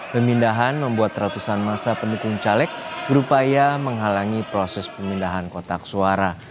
pemindahan membuat ratusan masa pendukung caleg berupaya menghalangi proses pemindahan kotak suara